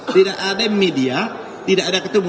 tidak ada media tidak ada ketemu